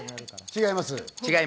違います。